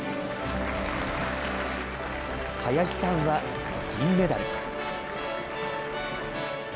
林さんは銀メダル。